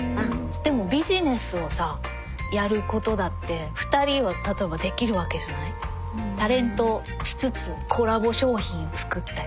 でもビジネスをさやることだって２人は例えばできるわけじゃない？タレントしつつコラボ商品作ったり。